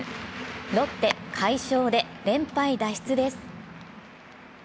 ロッテ、快勝で連敗脱出です。